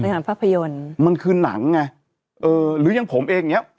รับผลงานภาพยนตร์มันคือหนังไงเออหรือยังผมเองไง